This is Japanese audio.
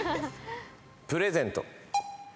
プレゼント。